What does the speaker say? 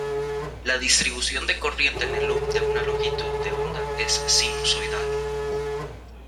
La distribución de corriente en el loop de una longitud de onda es sinusoidal.